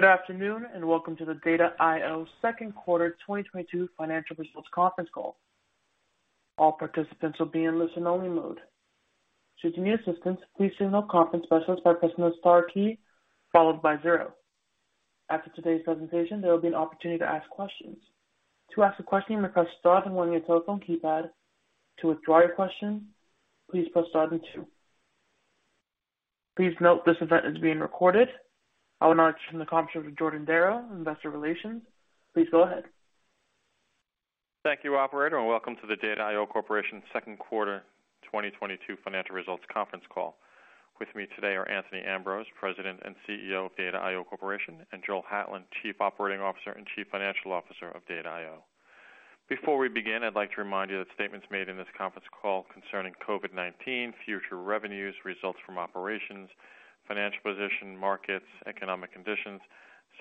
Good afternoon, and welcome to the Data I/O Second Quarter 2022 Financial Results Conference Call. All participants will be in listen only mode. Should you need assistance, please signal conference specialists by pressing the star key followed by zero. After today's presentation, there will be an opportunity to ask questions. To ask a question, press star then one on your telephone keypad. To withdraw your question, please press star then two. Please note this event is being recorded. I will now turn the conference over to Jordan Darrow, Investor Relations. Please go ahead. Thank you, operator, and welcome to the Data I/O Corporation Second Quarter 2022 Financial Results Conference Call. With me today are Anthony Ambrose, President and CEO of Data I/O Corporation, and Joel Hatlen, Chief Operating Officer and Chief Financial Officer of Data I/O. Before we begin, I'd like to remind you that statements made in this conference call concerning COVID-19, future revenues, results from operations, financial position, markets, economic conditions,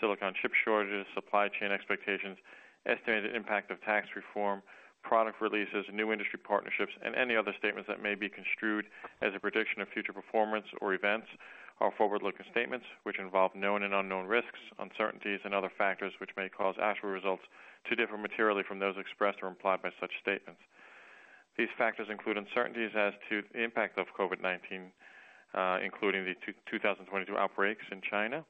silicon chip shortages, supply chain expectations, estimated impact of tax reform, product releases, new industry partnerships, and any other statements that may be construed as a prediction of future performance or events are forward-looking statements which involve known and unknown risks, uncertainties and other factors which may cause actual results to differ materially from those expressed or implied by such statements. These factors include uncertainties as to the impact of COVID-19, including the 2022 outbreaks in China,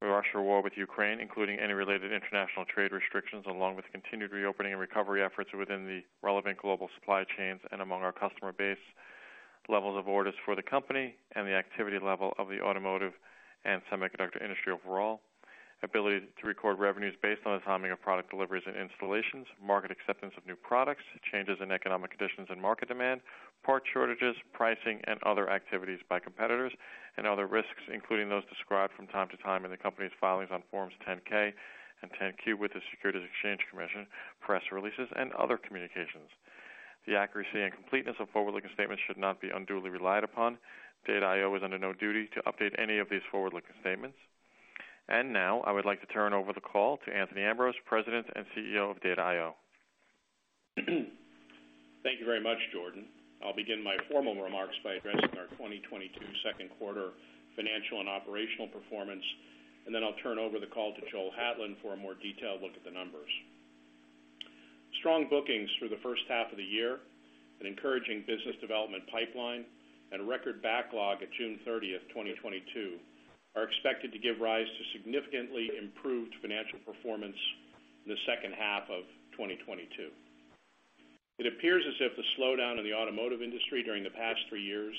the Russian war with Ukraine, including any related international trade restrictions, along with continued reopening and recovery efforts within the relevant global supply chains and among our customer base, levels of orders for the company and the activity level of the automotive and semiconductor industry overall. Ability to record revenues based on the timing of product deliveries and installations, market acceptance of new products, changes in economic conditions and market demand, part shortages, pricing and other activities by competitors, and other risks, including those described from time to time in the company's filings on Forms 10-K and 10-Q with the Securities and Exchange Commission, press releases and other communications. The accuracy and completeness of forward-looking statements should not be unduly relied upon. Data I/O is under no duty to update any of these forward-looking statements. And now I would like to turn over the call to Anthony Ambrose, President and CEO of Data I/O. Thank you very much, Jordan. I'll begin my formal remarks by addressing our 2022 second quarter financial and operational performance, and then I'll turn over the call to Joel Hatlen for a more detailed look at the numbers. Strong bookings through the first half of the year, an encouraging business development pipeline and a record backlog at June 30th, 2022 are expected to give rise to significantly improved financial performance in the second half of 2022. It appears as if the slowdown in the automotive industry during the past three years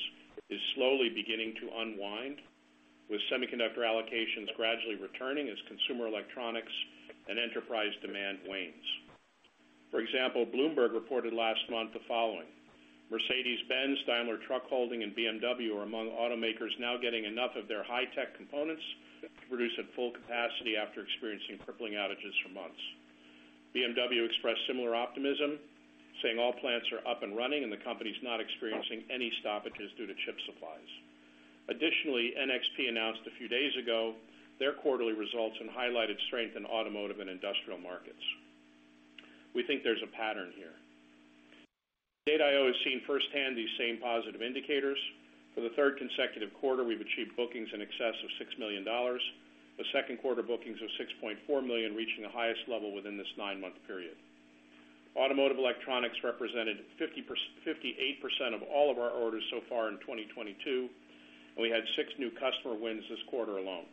is slowly beginning to unwind, with semiconductor allocations gradually returning as consumer electronics and enterprise demand wanes. For example, Bloomberg reported last month the following. Mercedes-Benz, Daimler Truck Holding and BMW are among automakers now getting enough of their high-tech components to produce at full capacity after experiencing crippling outages for months. BMW expressed similar optimism, saying all plants are up and running and the company's not experiencing any stoppages due to chip supplies. Additionally, NXP announced a few days ago their quarterly results and highlighted strength in automotive and industrial markets. We think there's a pattern here. Data I/O has seen firsthand these same positive indicators. For the third consecutive quarter, we've achieved bookings in excess of $6 million, with second quarter bookings of $6.4 million reaching the highest level within this nine-month period. Automotive electronics represented 58% of all of our orders so far in 2022, and we had six new customer wins this quarter alone.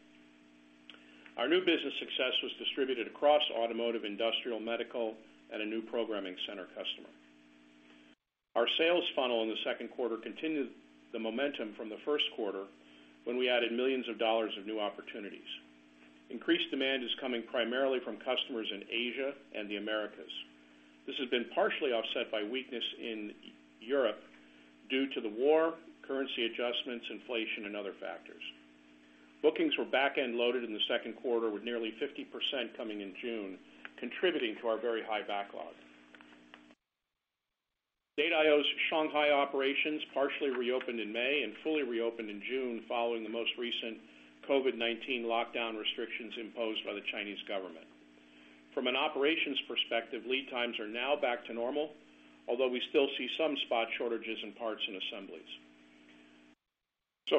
Our new business success was distributed across automotive, industrial, medical and a new programming center customer. Our sales funnel in the second quarter continued the momentum from the first quarter when we added millions of dollars of new opportunities. Increased demand is coming primarily from customers in Asia and the Americas. This has been partially offset by weakness in Eastern Europe due to the war, currency adjustments, inflation and other factors. Bookings were back end loaded in the second quarter, with nearly 50% coming in June, contributing to our very high backlog. Data I/O's Shanghai operations partially reopened in May and fully reopened in June following the most recent COVID-19 lockdown restrictions imposed by the Chinese government. From an operations perspective, lead times are now back to normal, although we still see some spot shortages in parts and assemblies.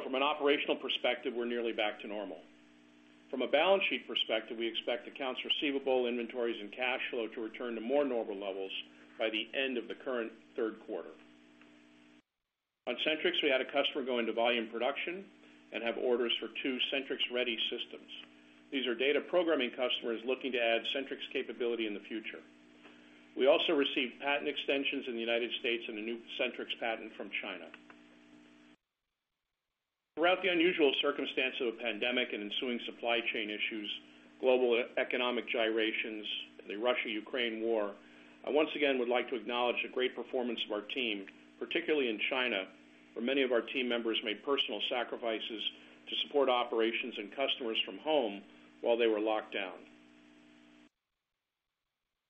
From an operational perspective, we're nearly back to normal. From a balance sheet perspective, we expect accounts receivable, inventories and cash flow to return to more normal levels by the end of the current third quarter. On SentriX, we had a customer go into volume production and have orders for 2two SentriX-ready systems. These are data programming customers looking to add SentriX capability in the future. We also received patent extensions in the United States and a new SentriX patent from China. Throughout the unusual circumstance of a pandemic and ensuing supply chain issues, global economic gyrations, the Russia-Ukraine war, I once again would like to acknowledge the great performance of our team, particularly in China, where many of our team members made personal sacrifices to support operations and customers from home while they were locked down.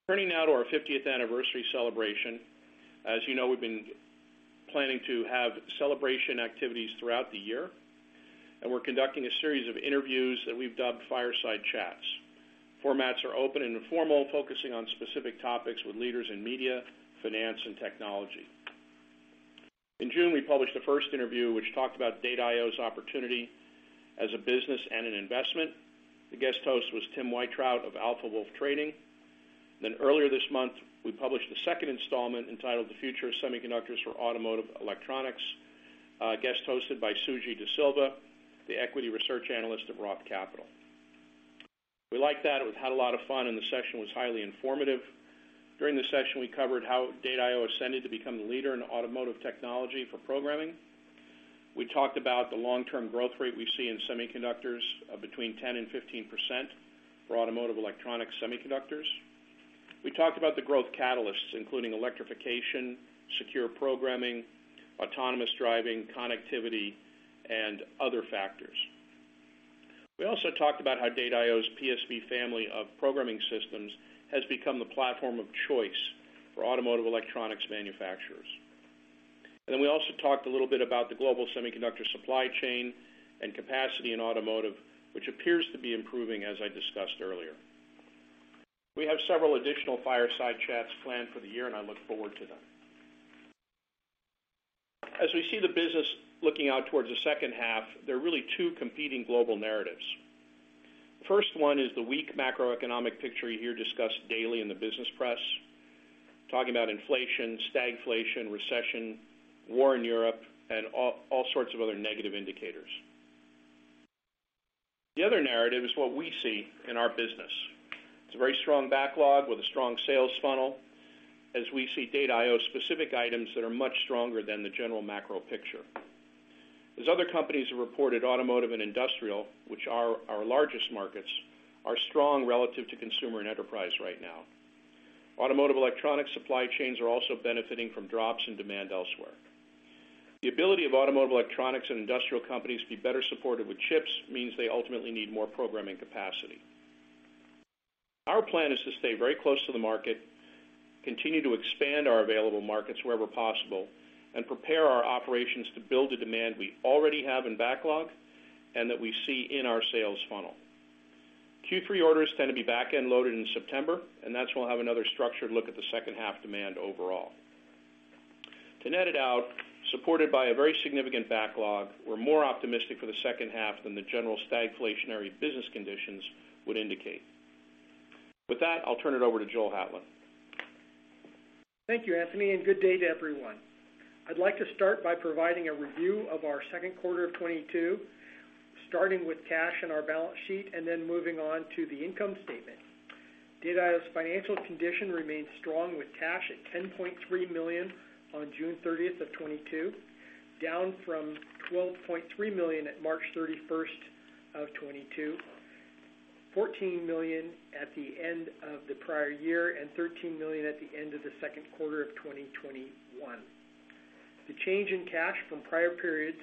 Turning now to our fiftieth anniversary celebration. As you know, we've been planning to have celebration activities throughout the year, and we're conducting a series of interviews that we've dubbed Fireside Chats. Formats are open and informal, focusing on specific topics with leaders in media, finance and technology. In June, we published the first interview, which talked about Data I/O's opportunity as a business and an investment. The guest host was Tim Weintraub of Alpha Wolf Trading. Then earlier this month, we published the second installment entitled The Future of Semiconductors for Automotive Electronics, guest hosted by Suji Desilva, the equity research analyst of Roth Capital. We liked that, and we've had a lot of fun, and the session was highly informative. During the session, we covered how Data I/O ascended to become the leader in automotive technology for programming. We talked about the long-term growth rate we see in semiconductors of between 10% and 15% for automotive electronic semiconductors. We talked about the growth catalysts, including electrification, secure programming, autonomous driving, connectivity, and other factors. We also talked about how Data I/O's PSV family of programming systems has become the platform of choice for automotive electronics manufacturers. And we also talked a little bit about the global semiconductor supply chain and capacity in automotive, which appears to be improving, as I discussed earlier. We have several additional fireside chats planned for the year, and I look forward to them. As we see the business looking out towards the second half, there are really two competing global narratives. First one is the weak macroeconomic picture you hear discussed daily in the business press, talking about inflation, stagflation, recession, war in Europe, and all sorts of other negative indicators. The other narrative is what we see in our business. It's a very strong backlog with a strong sales funnel as we see Data I/O specific items that are much stronger than the general macro picture. As other companies have reported, automotive and industrial, which are our largest markets, are strong relative to consumer and enterprise right now. Automotive electronic supply chains are also benefiting from drops in demand elsewhere. The ability of automotive electronics and industrial companies to be better supported with chips means they ultimately need more programming capacity. Our plan is to stay very close to the market, continue to expand our available markets wherever possible, and prepare our operations to build the demand we already have in backlog and that we see in our sales funnel. Q3 orders tend to be back-end loaded in September, and that's when we'll have another structured look at the second half demand overall. To net it out, supported by a very significant backlog, we're more optimistic for the second half than the general stagflationary business conditions would indicate. With that, I'll turn it over to Joel Hatlen. Thank you, Anthony, and good day to everyone. I'd like to start by providing a review of our second quarter of 2022, starting with cash in our balance sheet and then moving on to the income statement. Data I/O's financial condition remains strong with cash at $10.3 million on June 30th of 2022, down from $12.3 million at March 31st of 2022, $14 million at the end of the prior year and $13 million at the end of the second quarter of 2021. The change in cash from prior periods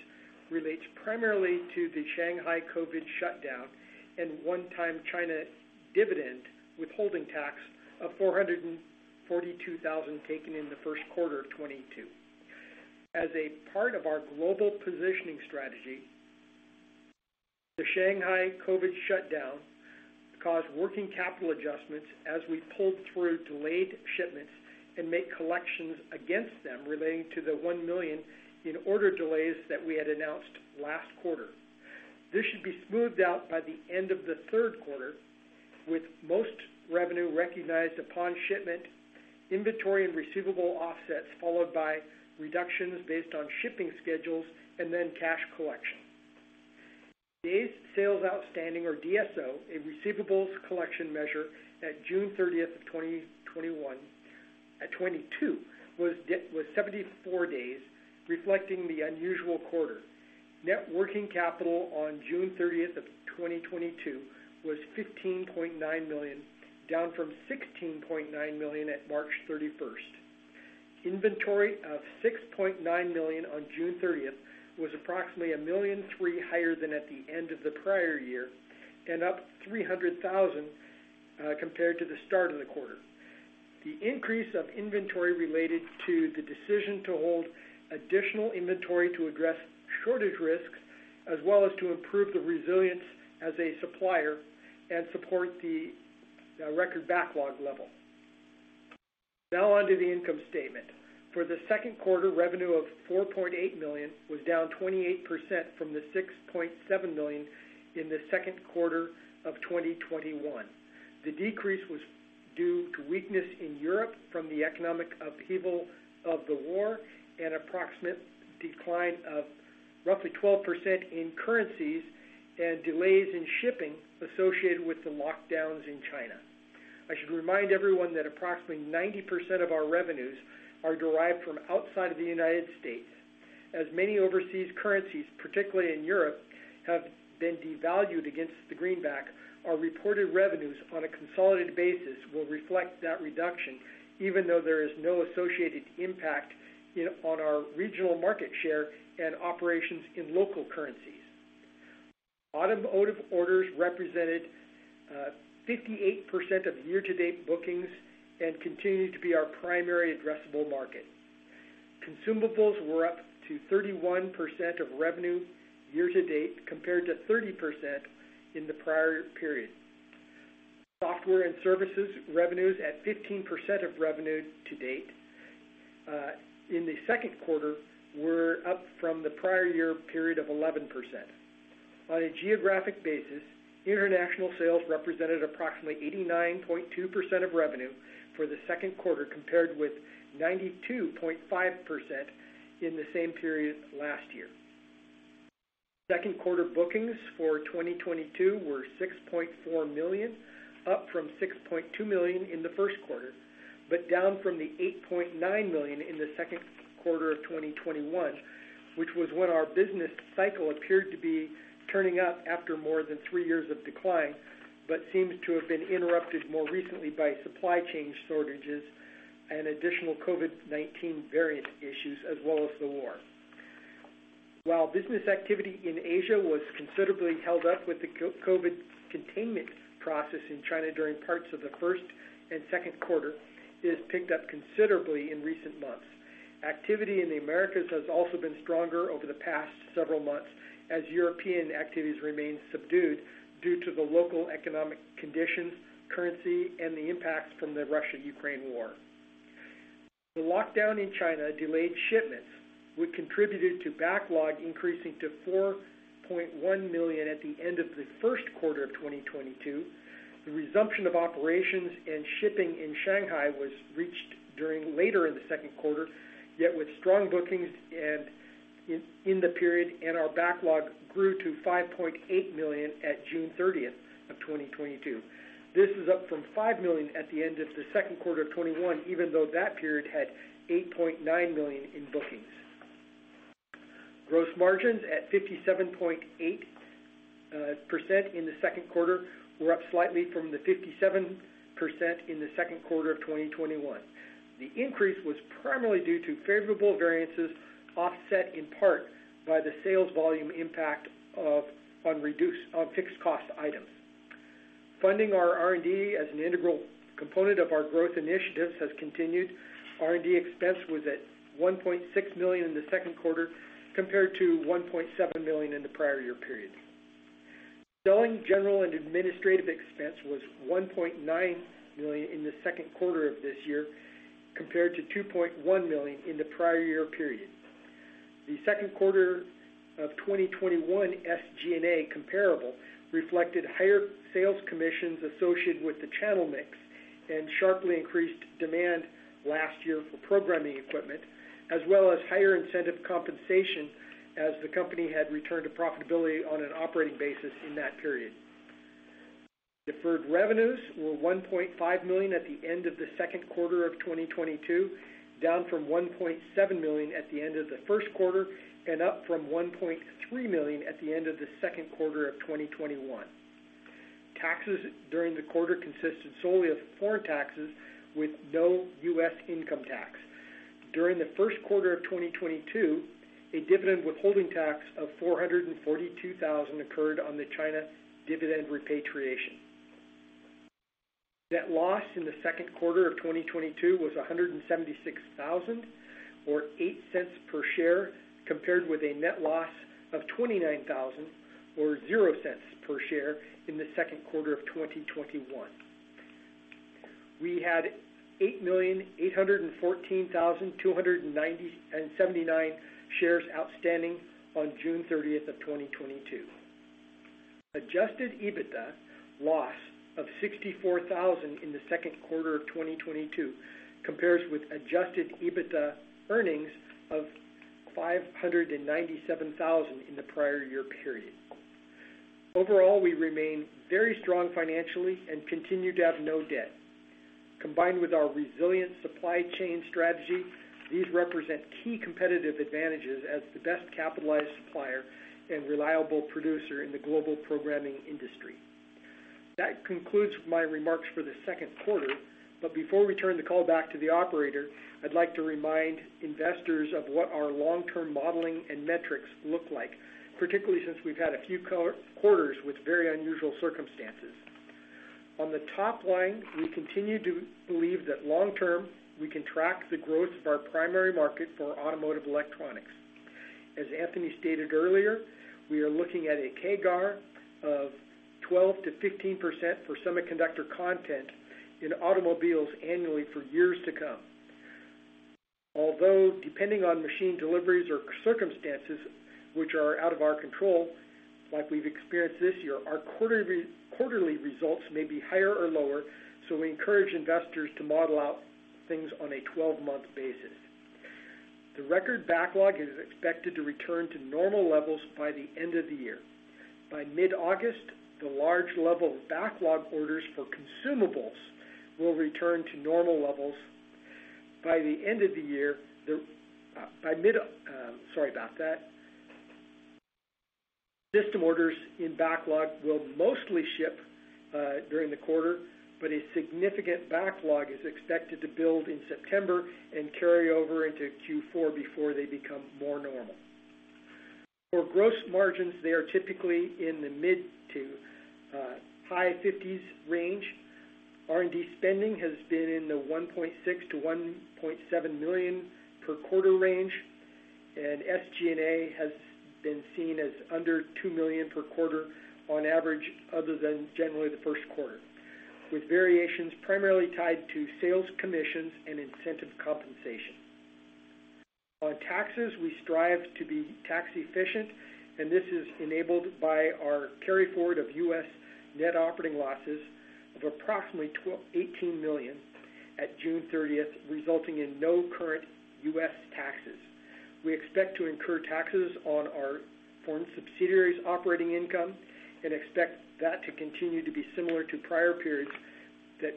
relates primarily to the Shanghai COVID shutdown and one-time China dividend withholding tax of $442,000 taken in the first quarter of 2022. As a part of our global positioning strategy, the Shanghai COVID-19 shutdown caused working capital adjustments as we pulled through delayed shipments and make collections against them relating to the $1 million in order delays that we had announced last quarter. This should be smoothed out by the end of the third quarter, with most revenue recognized upon shipment, inventory and receivable offsets, followed by reductions based on shipping schedules and then cash collection. Days sales outstanding or DSO, a receivables collection measure at June 30th, 2022, was 74 days, reflecting the unusual quarter. Net working capital on June 30th, 2022, was $15.9 million, down from $16.9 million at March 31st, 2022. Inventory of $6.9 million on June 30th was approximately $1.3 million higher than at the end of the prior year and up $300,000 compared to the start of the quarter. The increase of inventory related to the decision to hold additional inventory to address shortage risks, as well as to improve the resilience as a supplier and support the record backlog level. Now on to the income statement. For the second quarter, revenue of $4.8 million was down 28% from the $6.7 million in the second quarter of 2021. The decrease was due to weakness in Europe from the economic upheaval of the war and an approximate decline of roughly 12% in currencies and delays in shipping associated with the lockdowns in China. I should remind everyone that approximately 90% of our revenues are derived from outside of the United States. As many overseas currencies, particularly in Europe, have been devalued against the greenback, our reported revenues on a consolidated basis will reflect that reduction even though there is no associated impact on our regional market share and operations in local currencies. Automotive orders represented 58% of year-to-date bookings and continue to be our primary addressable market. Consumables were up to 31% of revenue year to date, compared to 30% in the prior period. Software and services revenues at 15% of revenue to date, in the second quarter were up from the prior year period of 11%. On a geographic basis, international sales represented approximately 89.2% of revenue for the second quarter, compared with 92.5% in the same period last year. Second quarter bookings for 2022 were $6.4 million, up from $6.2 million in the first quarter, but down from the $8.9 million in the second quarter of 2021, which was when our business cycle appeared to be turning up after more than three years of decline, but seems to have been interrupted more recently by supply chain shortages and additional COVID-19 variant issues, as well as the war. While business activity in Asia was considerably held up with the COVID containment process in China during parts of the first and second quarter, it has picked up considerably in recent months. Activity in the Americas has also been stronger over the past several months, as European activities remain subdued due to the local economic conditions, currency, and the impacts from the Russia-Ukraine war. The lockdown in China delayed shipments, which contributed to backlog increasing to $4.1 million at the end of the first quarter of 2022. The resumption of operations and shipping in Shanghai was reached during later in the second quarter, yet with strong bookings and in the period, and our backlog grew to $5.8 million at June 30th, 2022. This is up from $5 million at the end of the second quarter of 2021, even though that period had $8.9 million in bookings. Gross margins at 57.8% in the second quarter were up slightly from the 57% in the second quarter of 2021. The increase was primarily due to favorable variances, offset in part by the sales volume impact on fixed cost items. Funding our R&D as an integral component of our growth initiatives has continued. R&D expense was $1.6 million in the second quarter compared to $1.7 million in the prior year period. Selling general and administrative expense was $1.9 million in the second quarter of this year, compared to $2.1 million in the prior year period. The second quarter of 2021 SG&A comparable reflected higher sales commissions associated with the channel mix and sharply increased demand last year for programming equipment, as well as higher incentive compensation as the company had returned to profitability on an operating basis in that period. Deferred revenues were $1.5 million at the end of the second quarter of 2022, down from $1.7 million at the end of the first quarter and up from $1.3 million at the end of the second quarter of 2021. Taxes during the quarter consisted solely of foreign taxes with no U.S. income tax. During the first quarter of 2022, a dividend withholding tax of $442,000 occurred on the China dividend repatriation. Net loss in the second quarter of 2022 was $176,000 or $0.08 per share, compared with a net loss of $29,000 or $0.00 per share in the second quarter of 2021. We had 8,814,279 shares outstanding on June 30th of 2022. Adjusted EBITDA loss of $64,000 in the second quarter of 2022 compares with adjusted EBITDA earnings of $597,000 in the prior year period. Overall, we remain very strong financially and continue to have no debt. Combined with our resilient supply chain strategy, these represent key competitive advantages as the best capitalized supplier and reliable producer in the global programming industry. That concludes my remarks for the second quarter. Before we turn the call back to the operator, I'd like to remind investors of what our long-term modeling and metrics look like, particularly since we've had a few quarters with very unusual circumstances. On the top line, we continue to believe that long term, we can track the growth of our primary market for automotive electronics. As Anthony stated earlier, we are looking at a CAGR of 12%-15% for semiconductor content in automobiles annually for years to come. Although depending on machine deliveries or circumstances which are out of our control, like we've experienced this year, our quarterly results may be higher or lower, so we encourage investors to model out things on a 12-month basis. The record backlog is expected to return to normal levels by the end of the year. By mid-August, the large level of backlog orders for consumables will return to normal levels. By the end of the year, system orders in backlog will mostly ship during the quarter, but a significant backlog is expected to build in September and carry over into Q4 before they become more normal. For gross margins, they are typically in the mid to high-50s% range. R&D spending has been in the $1.6 million-$1.7 million per quarter range. SG&A has been seen as under $2 million per quarter on average, other than generally the first quarter, with variations primarily tied to sales commissions and incentive compensation. On taxes, we strive to be tax efficient, and this is enabled by our carry-forward of U.S. net operating losses of approximately $18 million at June 30th, resulting in no current U.S. taxes. We expect to incur taxes on our foreign subsidiaries operating income and expect that to continue to be similar to prior periods that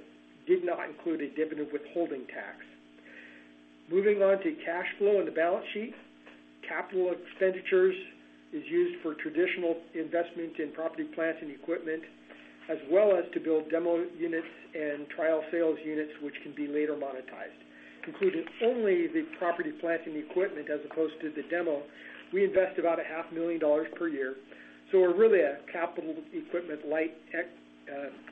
did not include a dividend withholding tax. Moving on to cash flow and the balance sheet. Capital expenditures is used for traditional investment in property, plant, and equipment, as well as to build demo units and trial sales units which can be later monetized. Including only the property, plant, and equipment as opposed to the demo, we invest about a half million dollars per year, so we're really a capital equipment-light tech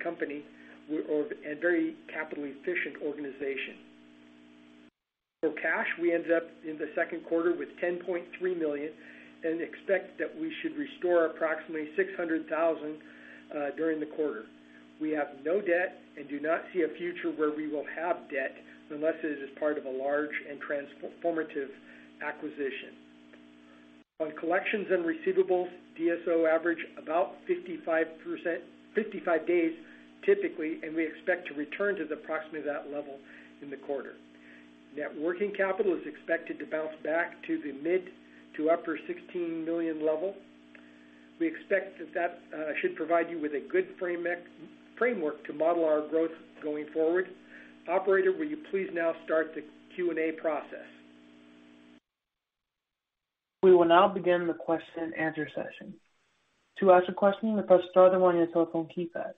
company and very capital efficient organization. For cash, we ended up in the second quarter with $10.3 million and expect that we should restore approximately $600,000 during the quarter. We have no debt and do not see a future where we will have debt unless it is part of a large and transformative acquisition. On collections and receivables, DSO average about 55 days typically, and we expect to return to approximately that level in the quarter. Net working capital is expected to bounce back to the mid to upper $16 million level. We expect that should provide you with a good framework to model our growth going forward. Operator, will you please now start the Q&A process? We will now begin the question and answer session. To ask a question, press star then one on your telephone keypad.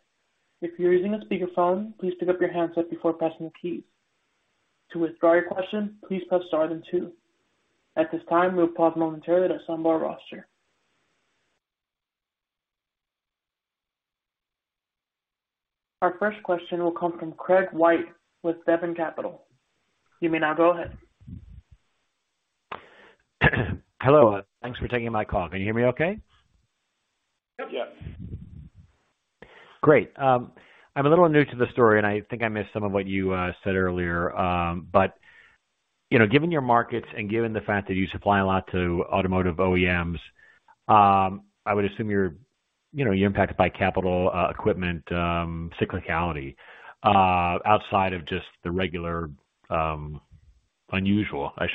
If you're using a speakerphone, please pick up your handset before pressing the keys. To withdraw your question, please press star then two. At this time, we'll pause momentarily to assemble our roster. Our first question will come from Craig White with Devon Capital. You may now go ahead. Hello. Thanks for taking my call. Can you hear me okay? Yep. Yes. Great. I'm a little new to the story, and I think I missed some of what you said earlier. You know, given your markets and given the fact that you supply a lot to automotive OEMs, I would assume you're, you know, you're impacted by capital equipment cyclicality outside of just the unusual things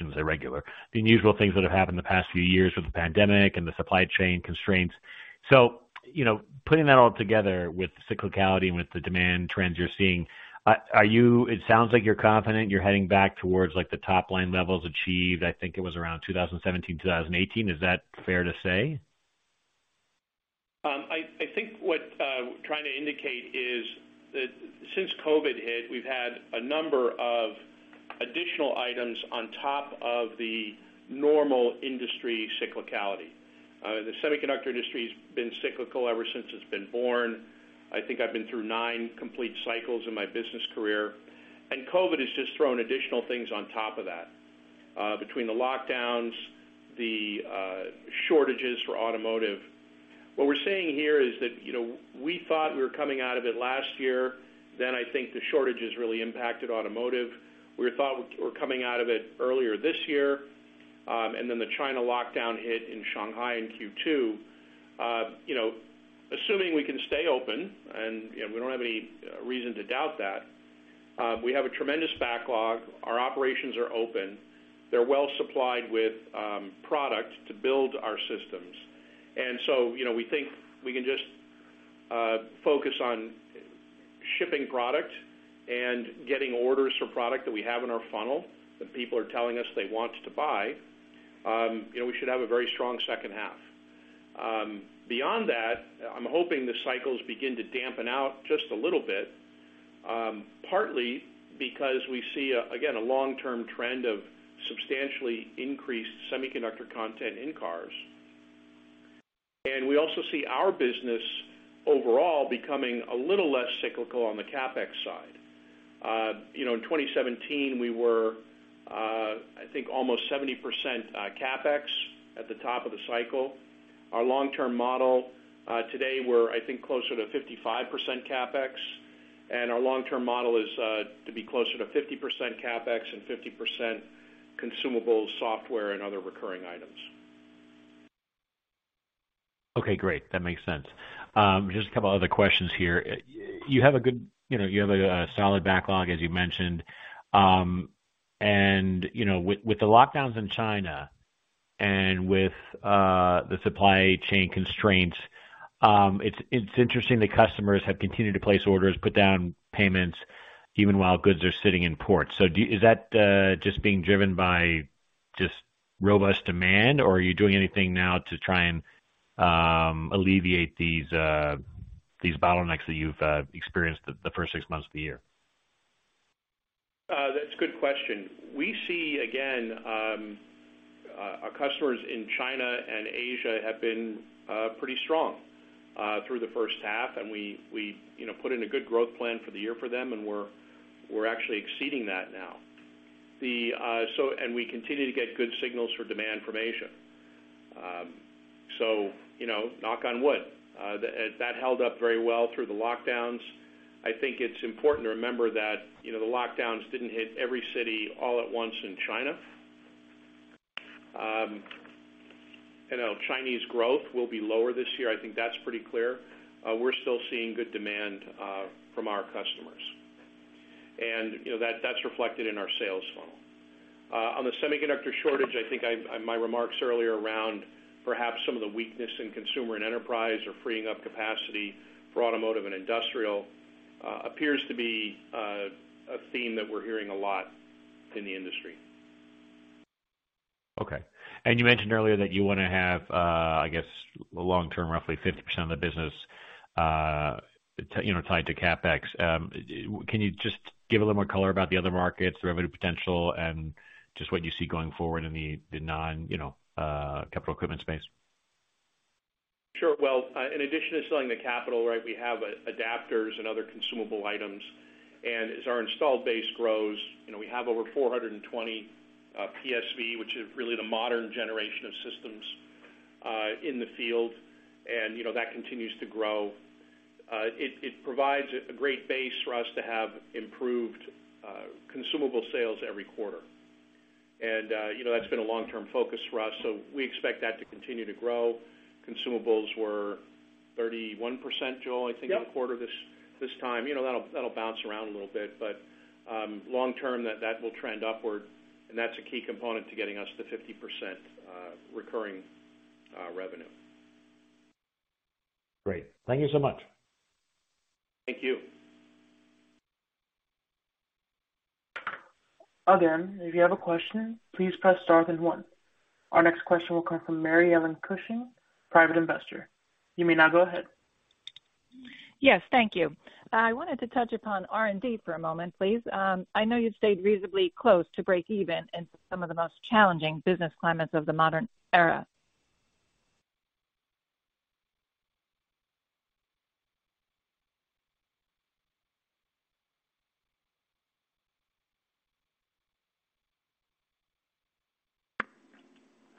that have happened the past few years with the pandemic and the supply chain constraints. You know, putting that all together with the cyclicality and with the demand trends you're seeing, it sounds like you're confident you're heading back towards, like, the top line levels achieved, I think it was around 2017, 2018. Is that fair to say? I think what I'm trying to indicate is that since COVID hit, we've had a number of additional items on top of the normal industry cyclicality. The semiconductor industry has been cyclical ever since it's been born. I think I've been through nine complete cycles in my business career, and COVID has just thrown additional things on top of that, between the lockdowns, the shortages for automotive. What we're saying here is that, you know, we thought we were coming out of it last year, then I think the shortages really impacted automotive. We thought we're coming out of it earlier this year, and then the China lockdown hit in Shanghai in Q2. You know, assuming we can stay open, and, you know, we don't have any reason to doubt that, we have a tremendous backlog. Our operations are open. They're well supplied with product to build our systems. And so you know, we think we can just focus on shipping product and getting orders for product that we have in our funnel that people are telling us they want to buy. You know, we should have a very strong second half. Beyond that, I'm hoping the cycles begin to dampen out just a little bit, partly because we see, again, a long-term trend of substantially increased semiconductor content in cars. And we also see our business overall becoming a little less cyclical on the CapEx side. You know, in 2017, we were, I think almost 70% CapEx at the top of the cycle. Our long-term model, today, I think, we're closer to 55% CapEx, and our long-term model is to be closer to 50% CapEx and 50% consumables, software, and other recurring items. Okay, great. That makes sense. Just a couple other questions here. You have a solid backlog, as you mentioned. You know, with the lockdowns in China and with the supply chain constraints, it's interesting that customers have continued to place orders, put down payments even while goods are sitting in ports. Is that just being driven by just robust demand, or are you doing anything now to try and alleviate these bottlenecks that you've experienced the first six months of the year? That's a good question. We see again, our customers in China and Asia have been pretty strong. Through the first half, we you know put in a good growth plan for the year for them, and we're actually exceeding that now. We continue to get good signals for demand from Asia. So you know, knock on wood, that held up very well through the lockdowns. I think it's important to remember that, you know, the lockdowns didn't hit every city all at once in China. You know, Chinese growth will be lower this year. I think that's pretty clear. We're still seeing good demand from our customers. And you know, that's reflected in our sales funnel. On the semiconductor shortage, I think my remarks earlier around perhaps some of the weakness in consumer and enterprise are freeing up capacity for automotive and industrial appears to be a theme that we're hearing a lot in the industry. Okay. You mentioned earlier that you wanna have, I guess long-term, roughly 50% of the business, you know, tied to CapEx. Can you just give a little more color about the other markets, the revenue potential, and just what you see going forward in the non, you know, capital equipment space? Sure. Well, in addition to selling the capital, right, we have adapters and other consumable items. As our installed base grows, you know, we have over 420 PSV, which is really the modern generation of systems in the field. And you know, that continues to grow. It provides a great base for us to have improved consumable sales every quarter. And you know, that's been a long-term focus for us, so we expect that to continue to grow. Consumables were 31%, Joel, I think in the quarter this time. You know, that'll bounce around a little bit, but long term, that will trend upward, and that's a key component to getting us to 50% recurring revenue. Great. Thank you so much. Thank you. Again, if you have a question, please press star then one. Our next question will come from Mary Ellen Cushing, Private Investor. You may now go ahead. Yes, thank you. I wanted to touch upon R&D for a moment, please. I know you've stayed reasonably close to breakeven in some of the most challenging business climates of the modern era.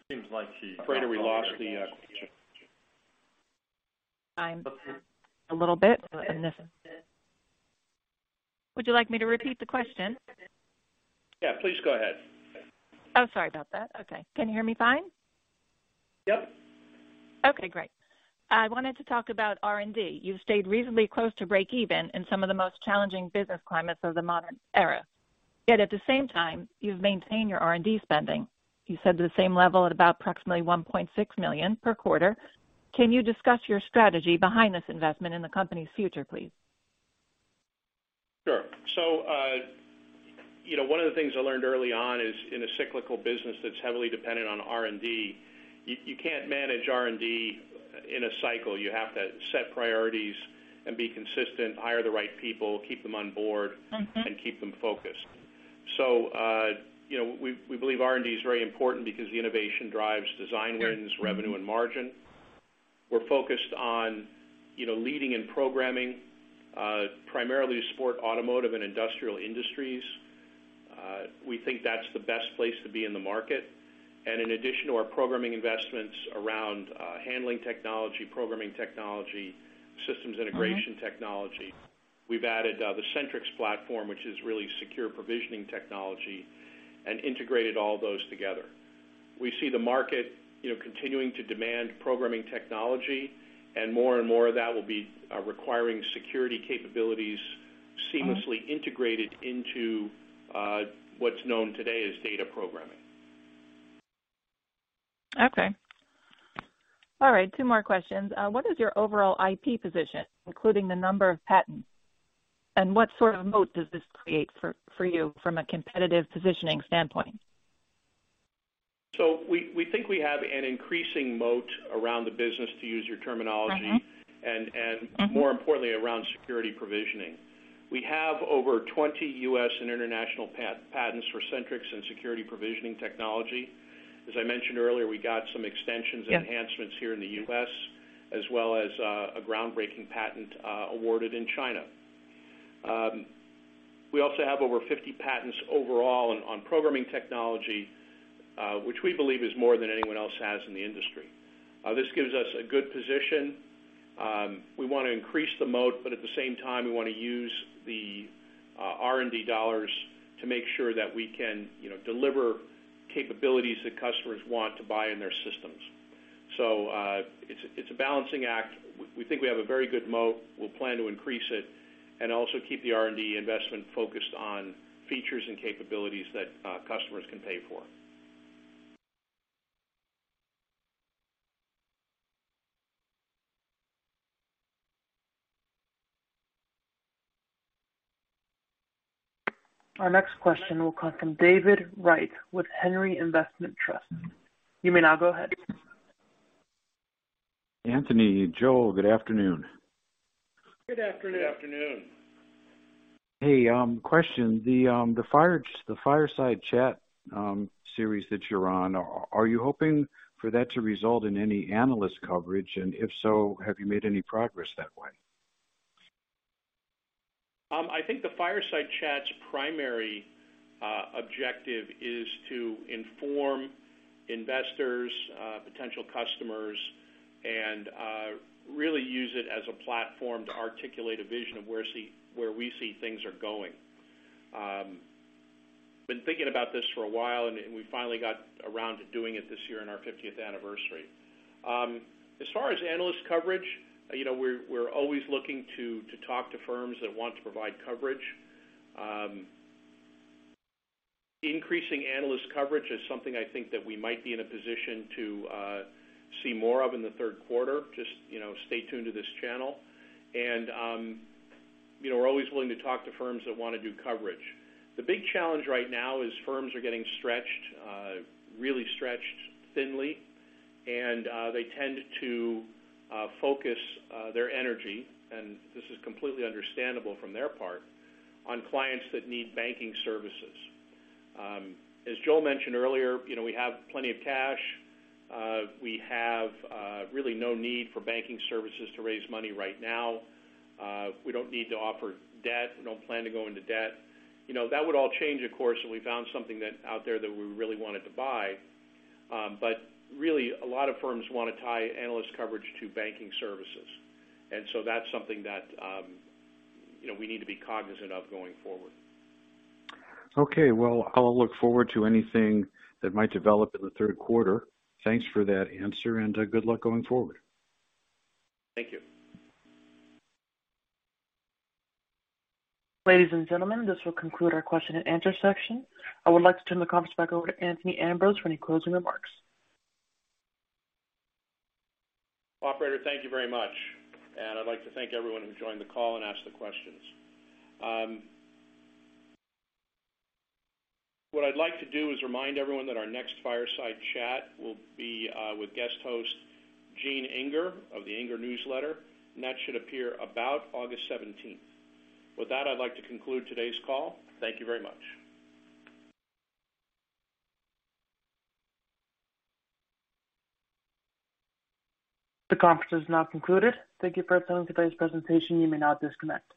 Seems like she- Afraid that we lost the connection. I'm a little bit. Go ahead. Would you like me to repeat the question? Yeah, please go ahead. Oh, sorry about that. Okay. Can you hear me fine? Yep. Okay, great. I wanted to talk about R&D. You've stayed reasonably close to breakeven in some of the most challenging business climates of the modern era. Yet at the same time, you've maintained your R&D spending, you said to the same level at about approximately $1.6 million per quarter. Can you discuss your strategy behind this investment in the company's future, please? Sure. So you know, one of the things I learned early on is in a cyclical business that's heavily dependent on R&D, you can't manage R&D in a cycle. You have to set priorities and be consistent, hire the right people, keep them on board. Keep them focused. You know, we believe R&D is very important because the innovation drives design wins, revenue, and margin. We're focused on, you know, leading in programming, primarily sports, automotive, and industrial industries. We think that's the best place to be in the market. In addition to our programming investments around, handling technology, programming technology, systems integration technology, we've added, the SentriX platform, which is really secure provisioning technology and integrated all those together. We see the market, you know, continuing to demand programming technology, and more and more of that will be, requiring security capabilities seamlessly integrated into, what's known today as data programming. Okay. All right, two more questions. What is your overall IP position, including the number of patents? And what sort of moat does this create for you from a competitive positioning standpoint? So we think we have an increasing moat around the business, to use your terminology. And more importantly, around security provisioning. We have over 20 U.S. and international patents for SentriX and security provisioning technology. As I mentioned earlier, we got some extensions and enhancements here in the U.S., as well as a groundbreaking patent awarded in China. We also have over 50 patents overall on programming technology, which we believe is more than anyone else has in the industry. This gives us a good position. We wanna increase the moat, but at the same time, we wanna use the R&D dollars to make sure that we can, you know, deliver capabilities that customers want to buy in their systems. So it's a balancing act. We think we have a very good moat. We'll plan to increase it and also keep the R&D investment focused on features and capabilities that, customers can pay for. Our next question will come from David Wright with Henry Investment Trust. You may now go ahead. Anthony, Joel, Good afternoon. Good afternoon. Good afternoon. Hey, question. The Fireside Chat series that you're on, are you hoping for that to result in any analyst coverage? If so, have you made any progress that way? I think the Fireside Chat's primary objective is to inform investors, potential customers, and really use it as a platform to articulate a vision of where we see things are going. Been thinking about this for a while, and we finally got around to doing it this year on our 15th anniversary. As far as analyst coverage, you know, we're always looking to talk to firms that want to provide coverage. Increasing analyst coverage is something I think that we might be in a position to see more of in the third quarter. Just, you know, stay tuned to this channel. And you know, we're always willing to talk to firms that wanna do coverage. The big challenge right now is firms are getting stretched, really stretched thinly, and they tend to focus their energy, and this is completely understandable from their part, on clients that need banking services. As Joel mentioned earlier, you know, we have plenty of cash. We have really no need for banking services to raise money right now. We don't need to offer debt. We don't plan to go into debt. You know, that would all change, of course, if we found something that out there that we really wanted to buy. But really a lot of firms wanna tie analyst coverage to banking services. And so that's something that, you know, we need to be cognizant of going forward. Okay. Well, I'll look forward to anything that might develop in the third quarter. Thanks for that answer and good luck going forward. Thank you. Ladies and gentlemen, this will conclude our question and answer section. I would like to turn the conference back over to Anthony Ambrose for any closing remarks. Operator, thank you very much. I'd like to thank everyone who joined the call and asked the questions. What I'd like to do is remind everyone that our next Fireside Chat will be with guest host Gene Inger of The Inger Letter, and that should appear about August 17th. With that, I'd like to conclude today's call. Thank you very much. The conference is now concluded. Thank you for attending today's presentation. You may now disconnect.